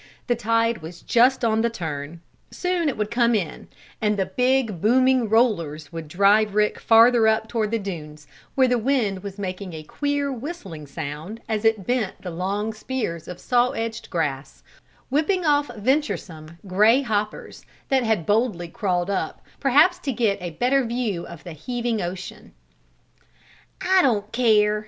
The tide was just on the turn; soon it would come in, and the big, booming rollers would drive Rick farther up toward the dunes, where the wind was making a queer, whistling sound as it bent the long spears of saw edged grass, whipping off venturesome, gray hoppers, that had boldly crawled up, perhaps to get a better view of the heaving ocean. "I don't care!"